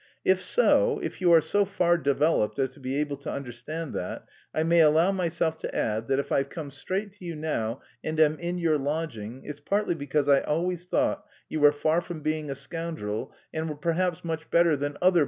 "If so, if you are so far developed as to be able to understand that, I may allow myself to add, that if I've come straight to you now and am in your lodging, it's partly because I always thought you were far from being a scoundrel and were perhaps much better than other...